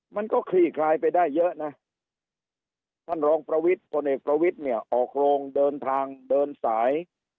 ท่านรองประวิทย์พลเอกประวิทย์เนี่ยออกโรงเดินทางเดินสาย